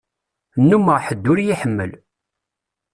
Nnumeɣ ḥedd ur y-iḥemmel.